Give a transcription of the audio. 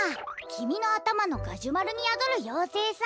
きみのあたまのガジュマルにやどるようせいさ。